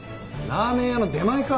ラーメン屋の出前か！